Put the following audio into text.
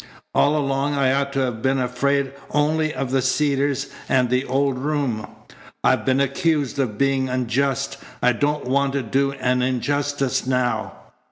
All along I ought to have been afraid only of the Cedars and the old room. I've been accused of being unjust. I don't want to do an injustice now."